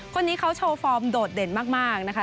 คนนี้เขาโชว์ฟอร์มโดดเด่นมากนะคะ